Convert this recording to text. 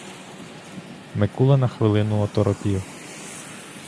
Микула на хвилину оторопів.